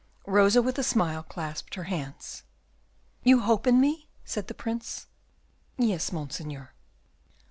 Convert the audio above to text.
Rosa, with a smile, clasped her hands. "You hope in me?" said the Prince. "Yes, Monseigneur."